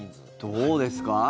どうですか？